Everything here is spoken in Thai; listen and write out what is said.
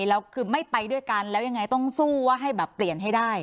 แล้วคือไม่ไปด้วยกันแล้วยังไงต้องสู้ว่าให้แบบเปลี่ยนให้ได้